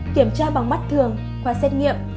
kiểm tra bằng mắt thường qua xét nghiệm